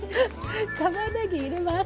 たまねぎ入れます。